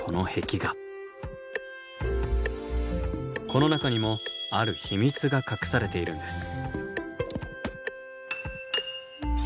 この中にもある秘密が隠されているんです。